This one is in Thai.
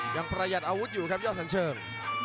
ประหยัดอาวุธอยู่ครับยอดสันเชิง